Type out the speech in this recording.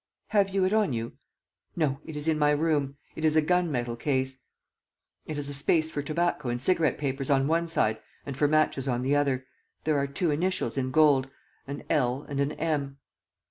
"Have you it on you?" "No, it is in my room. It is a gun metal case. It has a space for tobacco and cigarette papers on one side and for matches on the other. There are two initials in gold: an L and an M.